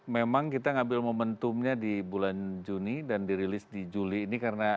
memang kita ngambil momentumnya di bulan juni dan dirilis di juli ini karena